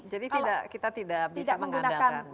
jadi kita tidak bisa mengandalkan